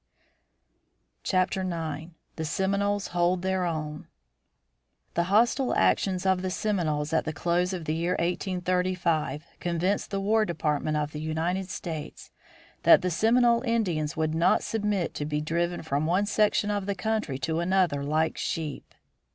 IX. THE SEMINOLES HOLD THEIR OWN The hostile actions of the Seminoles at the close of the year 1835 convinced the War Department of the United States that the Seminole Indians would not submit to be driven from one section of the country to another like sheep.